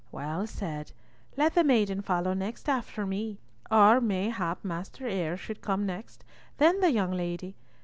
"Well said. Let the maiden follow next after me. Or mayhap Master Eyre should come next, then the young lady.